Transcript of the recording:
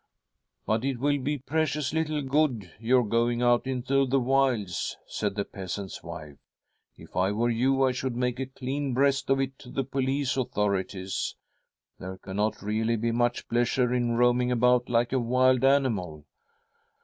' But it will be precious little good your going out into the wilds,' said the peasant's wife. ' If I were you, I should make a clean breast of it to the police ^authorities. There cannot really be much pleasure in roaming about like a wild animal.'